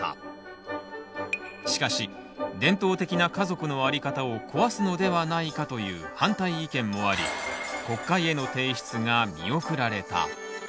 しかし伝統的な家族のあり方を壊すのではないかという反対意見もあり国会への提出が見送られた。